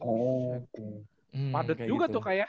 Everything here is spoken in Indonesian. padet juga tuh kak ya